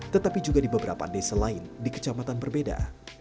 tetapi juga di beberapa desa lain di kecamatan berbeda